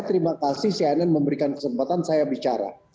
terima kasih cnn memberikan kesempatan saya bicara